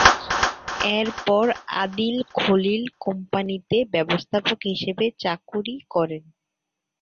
এর পর আদিল-খলিল কোম্পানীতে ব্যবস্থাপক হিসেবে চাকুরি করেন।